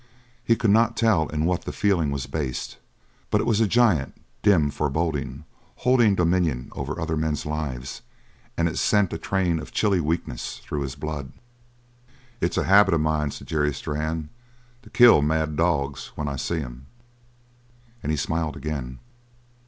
He could not tell in what the feeling was based. But it was a giant, dim foreboding holding dominion over other men's lives, and it sent a train of chilly weakness through his blood. "It's a habit of mine," said Jerry Strann, "to kill mad dogs when I see 'em." And he smiled again.